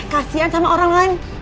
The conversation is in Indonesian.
kasian sama orang lain